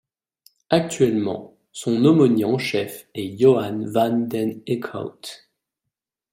Actuellement, son aumônier en chef est Johan Van Den Eeckhout.